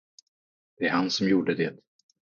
Det är han som gjort det.